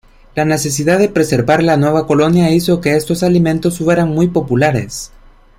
La necesidad de preservar la nueva colonia hizo que estos alimentos fueran muy populares.